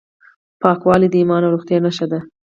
پاکوالی د ایمان او روغتیا نښه ده.